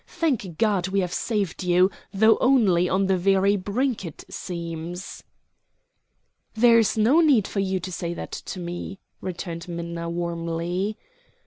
Thank God, we have saved you, though only on the very brink, it seems." "There is no need for you to say that to me," returned Minna warmly.